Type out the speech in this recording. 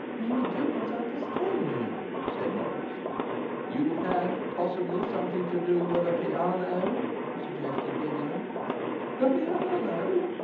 'I do not understand you,' said Morris. 'You had possibly something to do with a piano?' suggested Gideon. 'A piano!